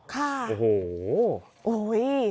ค่ะโอ้โหโอ้โห